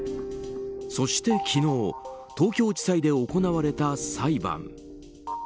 そして昨日東京地裁で行われた裁判。